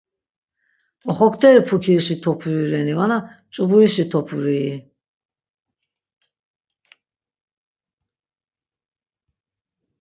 Oxokteri pukirişi topuri reni, vana ç̆uburişi topurii?